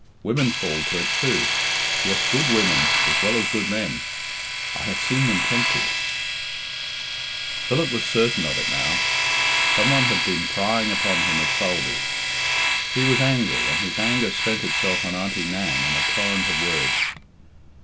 Women fall to it too. Yes, good women as well as good men; I have seen them tempted " Philip was certain of it now. Some one had been prying upon him at Sulby. He was angry, and his anger spent itself on Auntie Nan in a torrent of words.